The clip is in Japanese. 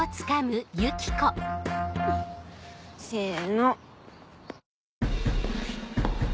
せの。